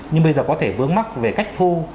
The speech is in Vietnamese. nhưng bây giờ có thể vướng mắt về cách thu